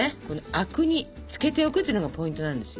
灰汁につけておくっていうのがポイントなんですよ。